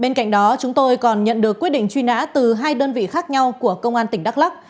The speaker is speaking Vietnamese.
sau đó chúng tôi còn nhận được quyết định truy nã từ hai đơn vị khác nhau của công an tỉnh đắk lắk